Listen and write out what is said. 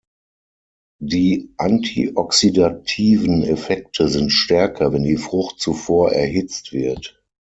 Die antioxidativen Effekte sind stärker, wenn die Frucht zuvor erhitzt wird.